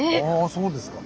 そうですか。